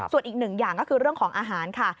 ส่วนอีกหนึ่งอย่างก็คือเรื่องของอาหารค่ะ